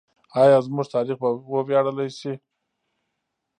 آیا زموږ تاریخ به ویاړلی وي؟